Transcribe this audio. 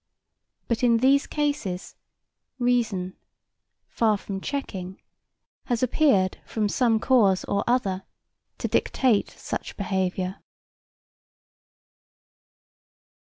But in these cases, reason, far from checking has appeared from some cause or other to dictate such behaviour.